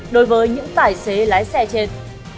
đối với những tài xế lái xe trên